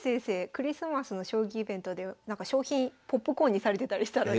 クリスマスの将棋イベントで賞品ポップコーンにされてたりしたので。